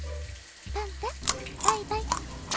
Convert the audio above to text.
パンタバイバイ」。